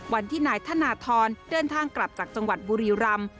วันที่นายธนทรเดินทางกลับจากจังหวัดบุรีรำ